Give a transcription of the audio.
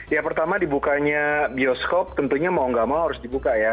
ya pertama dibukanya bioskop tentunya mau gak mau harus dibuka ya